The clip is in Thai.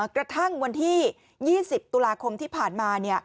กระทั่งวันที่๒๐ตุลาคมที่ผ่านมา